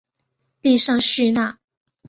利尚叙纳。